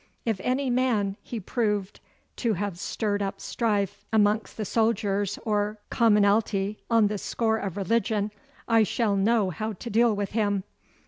If any man he proved to have stirred up strife amongst the soldiers or commonalty on the score of religion I shall know how to deal with him.